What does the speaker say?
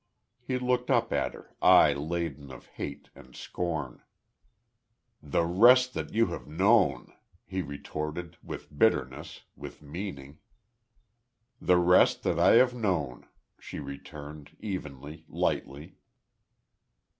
He looked up at her, eye laden of hate, and scorn. "The rest that you have known!" he retorted, with bitterness, with meaning. "The rest that I have known," she returned, evenly, lightly.